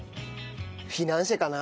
フィナンシェかな。